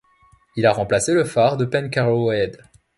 Il a remplacé le phare de Pencarrow Head.